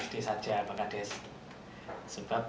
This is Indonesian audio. sebab di desa dulu orang tua kami tidak terlalu mementingkan sekolah